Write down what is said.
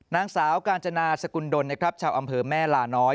นางสาวกาญจนาสกุลดลนะครับชาวอำเภอแม่ลาน้อย